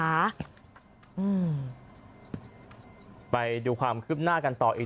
ไปดูความคืบหน้ากันต่ออีก